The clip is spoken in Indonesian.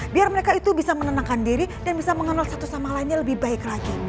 biar mereka itu bisa menenangkan diri dan bisa mengenal satu sama lainnya lebih baik lagi